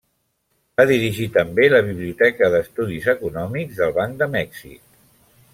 Va dirigir també la Biblioteca d'Estudis Econòmics del Banc de Mèxic.